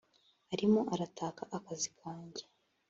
arimo arataka akazi kanjye